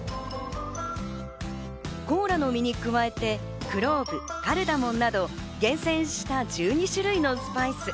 コーラの実に加えてクローブ、カルダモンなど厳選した１２種類のスパイス。